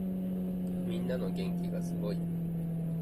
みんなの元気がすごい。